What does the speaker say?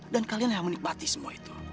dan kalian yang menikmati semua itu